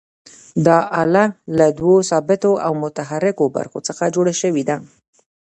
دا آله له دوو ثابتو او متحرکو برخو څخه جوړه شوې ده.